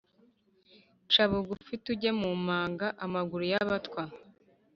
Ca bugufi tugeze mu manga-Amaguru y'abatwa.